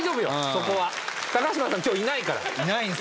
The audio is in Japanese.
そこは嶋さん今日いないからいないんすか？